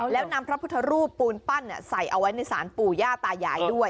แล้วนำพระพุทธรูปปูนปั้นใส่เอาไว้ในศาลปู่ย่าตายายด้วย